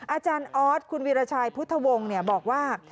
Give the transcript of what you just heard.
อาจารย์ออสคุณวีรชัยพุทธวงศ์บอกว่า